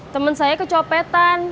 temen saya kecopetan